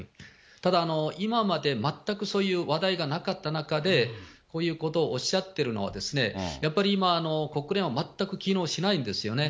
ただ、今まで全くそういう話題がなかった中で、こういうことをおっしゃってるのは、やっぱり今、国連は全く機能しないんですよね。